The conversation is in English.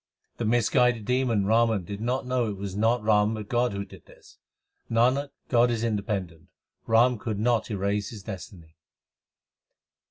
The misguided demon Raw an did not know it was not Ram but God who did this. Nanak, God is independent : Ram could not erase his destiny.